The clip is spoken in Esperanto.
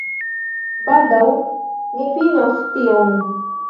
Baldaŭ ni finos tion